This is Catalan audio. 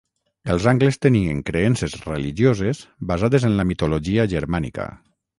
Els angles tenien creences religioses basades en la mitologia germànica.